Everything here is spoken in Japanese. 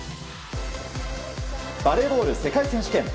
バレーボール世界選手権。